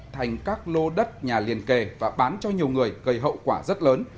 thành các lô đất nhà liên kề và bán cho nhiều người gây hậu quả rất lớn